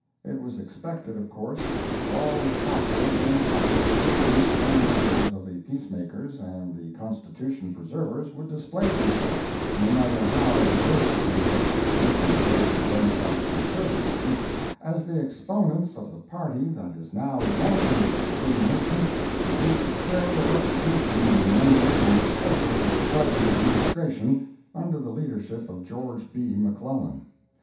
It was expected, of course, that all the apostles and prophets, saints and martyrs of the peace makers and the Constitution preservers would display themselves, no matter how diverse in their different shades of Democratic conservatism, as the exponents of the party that is now vaunting its determination to wreak a terrible retribution on the members and supporters of the present Administration, under the leadership of George B. McClellan.